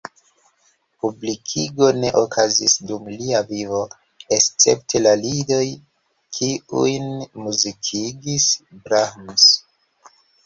Publikigo ne okazis dum lia vivo, escepte la lidoj, kiujn muzikigis Brahms.